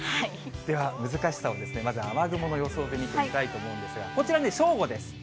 では、難しさを、まず雨雲の予想で見てみたいと思うんですが、こちら、正午です。